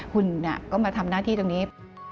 หุ่นก็มาทำหน้าที่ตรงนี้